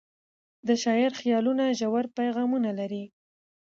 د شاعر خیالونه ژور پیغامونه لري.